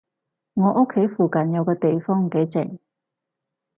我屋企附近有個地方幾靜